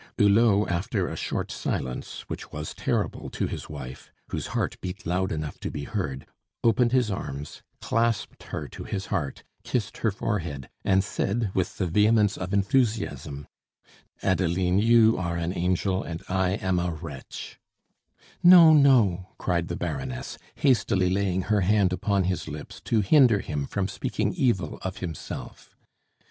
Hulot, after a short silence, which was terrible to his wife, whose heart beat loud enough to be heard, opened his arms, clasped her to his heart, kissed her forehead, and said with the vehemence of enthusiasm: "Adeline, you are an angel, and I am a wretch " "No, no," cried the Baroness, hastily laying her hand upon his lips to hinder him from speaking evil of himself.